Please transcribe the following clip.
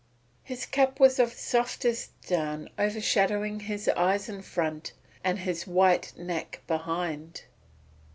His cap was of softest down overshadowing his eyes in front and his white neck behind.